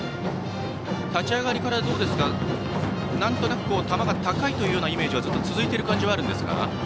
立ち上がりから、なんとなく球が高いというようなイメージが続いている感じがあるんですか。